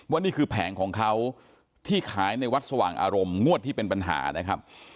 นี่คือแผงของเขาที่ขายในวัดสว่างอารมณ์งวดที่เป็นปัญหานะครับ